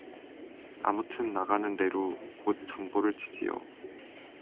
아무튼 나가는 대루 곧 전보를 치지요.